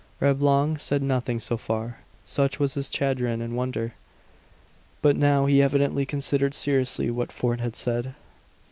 Reblong said nothing so far, such was his chagrin and wonder. But now he evidently considered seriously what Fort had said.